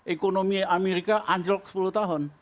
ekonomi amerika anjlok sepuluh tahun